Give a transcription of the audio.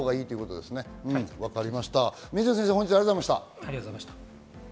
水野先生、本日はありがとうございました。